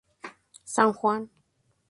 San Juan.